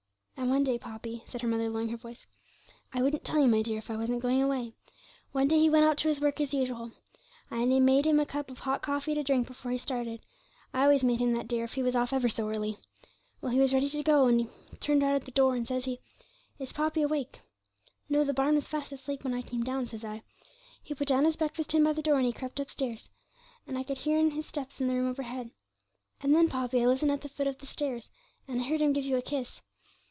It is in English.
And one day, Poppy,' said her mother, lowering her voice ('I wouldn't tell you, my dear, if I wasn't going away), one day he went out to his work as usual. I made him a cup of hot coffee to drink before he started; I always made him that, dear, if he was off ever so early. 'Well, he was ready to go, but he turned round at the door, and says he, "Is Poppy awake?" "No, the bairn was fast asleep when I came down," says I. He put down his breakfast tin by the door, and he crept upstairs, and I could hear his steps in the room overhead, and then, Poppy, I listened at the foot of the stairs, and I heard him give you a kiss.